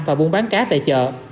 và buôn bán cá tại chợ